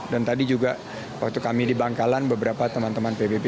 dan tadi juga waktu kami di bangkalan beberapa teman teman pbb